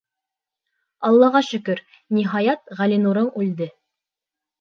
Аллаға шөкөр, ниһайәт, Ғәлинурың үлде.